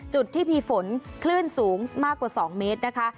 จุดที่มีฝนคลื่นสูงมากกว่า๒เมตรนะคะ